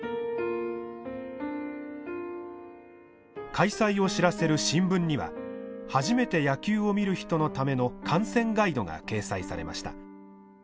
開催を知らせる新聞には初めて野球を見る人のための観戦ガイドが掲載されました。